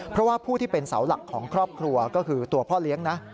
เพราะว่าผู้ที่เป็นเสาหลักของครอบครัวก็คือตัวพ่อเลี้ยงนะ